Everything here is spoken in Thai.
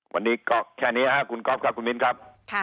วันนี้ก็แค่นี้ครับคุณก๊อฟครับคุณมิ้นครับ